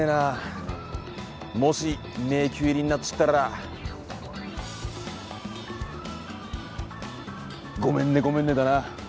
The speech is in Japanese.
うんもし迷宮入りになっちったらごめんねごめんねだな